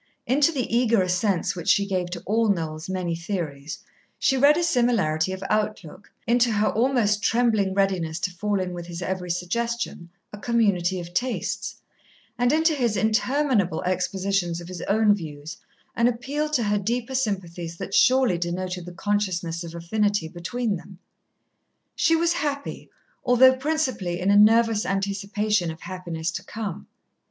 Into the eager assents which she gave to all Noel's many theories, she read a similarity of outlook, into her almost trembling readiness to fall in with his every suggestion, a community of tastes, and into his interminable expositions of his own views an appeal to her deeper sympathies that surely denoted the consciousness of affinity between them. She was happy, although principally in a nervous anticipation of happiness to come.